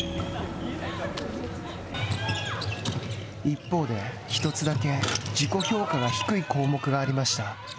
一方で、１つだけ自己評価が低い項目がありました。